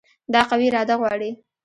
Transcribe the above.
دا قوي اراده غواړي.